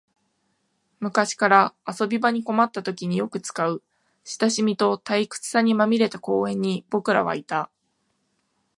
昔から遊び場に困ったときによく使う、親しみと退屈さにまみれた公園に僕らはいた